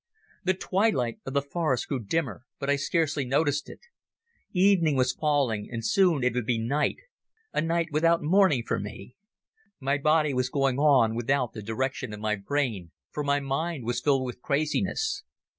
The twilight of the forest grew dimmer, but I scarcely noticed it. Evening was falling, and soon it would be night, a night without morning for me. My body was going on without the direction of my brain, for my mind was filled with craziness.